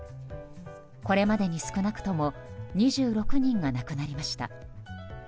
これまでに少なくとも２６人が亡くなりました。